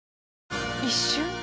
一瞬。